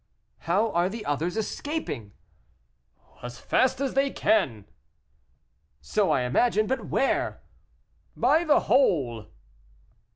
"How are the others escaping?" "As fast as they can." "So I imagine; but where?" "By the hole."